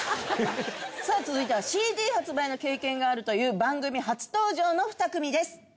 さぁ続いてはＣＤ発売の経験があるという番組初登場の２組です。